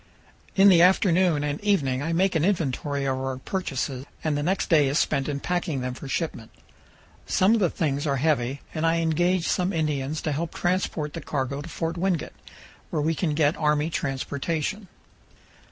In the afternoon and evening I make an inventory of our purchases, and the next day is spent in packing them for shipment. Some of the things are heavy, and I engage some Indians to help transport the cargo to Fort Wingate, where we can get army transportation.